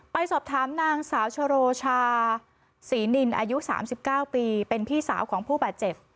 ไปสอบถามนางสาวชโรชาศรีนินอายุ๓๙ปีเป็นพี่สาวของผู้บาดเจ็บ